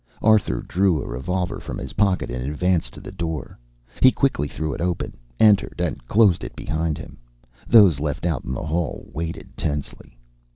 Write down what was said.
Arthur drew a revolver from his pocket and advanced to the door. He quickly threw it open, entered, and closed it behind him. Those left out in the hall waited tensely.